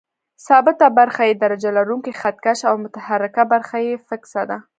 ثابته برخه یې درجه لرونکی خط کش او متحرکه برخه یې فکسه ده.